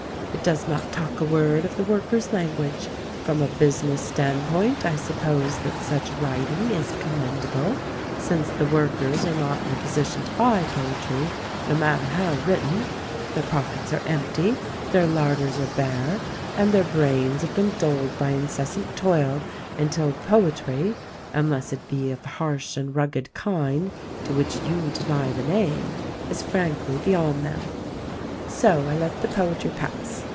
It does not talk a word of the worker's language. From a business standpoint I suppose that such writing is commendable, since the workers are not in a position to buy poetry, no matter how written ;— their pockets are empty, their larders are bare, and their brains have been dulled by incessant toil until poetry, unless it be of the harsh and rugged kind to which you deny the name, is frankly beyond them. "So I let the poetry pass.